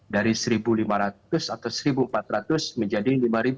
dari seribu lima ratus atau seribu empat ratus menjadi lima ribu enam ratus lima puluh enam